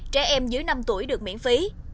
trẻ em dưới năm tuổi được miễn phí